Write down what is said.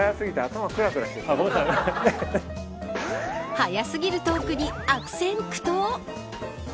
速すぎるトークに悪戦苦闘。